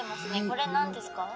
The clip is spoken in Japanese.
これ何ですか？